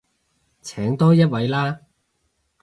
請多一位啦